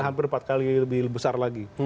hampir empat kali lebih besar lagi